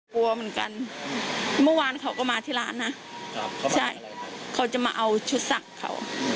กลัวเหมือนกันเมื่อวานเขาก็มาที่ร้านนะใช่เขาจะมาเอาชุดศักดิ์เขา